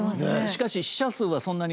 しかし死者数はそんなに。